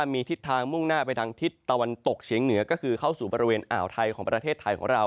มีทิศทางมุ่งหน้าไปทางทิศตะวันตกเฉียงเหนือก็คือเข้าสู่บริเวณอ่าวไทยของประเทศไทยของเรา